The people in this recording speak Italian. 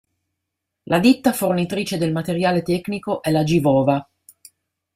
La ditta fornitrice del materiale tecnico è la Givova.